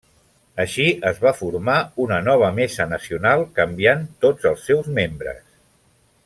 Així, es va formar una nova Mesa Nacional, canviant tots els seus membres.